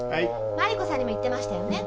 マリコさんにも言ってましたよね？